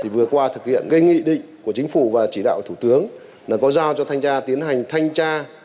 vừa qua thực hiện nghị định của chính phủ và chỉ đạo thủ tướng là có giao cho thanh tra tiến hành thanh tra